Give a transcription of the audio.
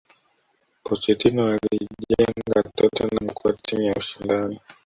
pochetino aliijenga tottenham kuwa timu ya ushindani